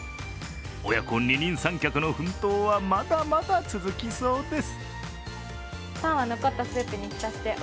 親子二人三脚の奮闘はまだまだ続きそうです。